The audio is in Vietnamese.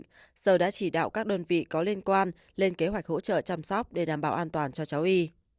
giờ đã chỉ đạo các đơn vị có liên quan lên kế hoạch hỗ trợ chăm sóc để đảm bảo an toàn cho cháu y